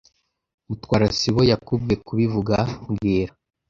Mutwara sibo yakubwiye kubivuga mbwira